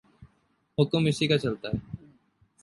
حکم اسی کا چلتاہے۔